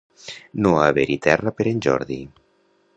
No haver-hi terra per en Jordi.